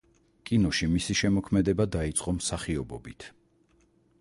კინოში მისი შემოქმედება დაიწყო მსახიობობით.